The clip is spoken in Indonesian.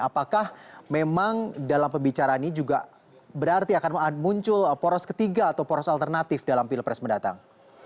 apakah memang dalam pembicaraan ini juga berarti akan muncul poros ketiga atau poros alternatif dalam pilpres mendatang